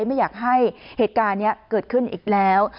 ไม่อยากให้เหตุการณ์นี้เกิดขึ้นอีกแล้ว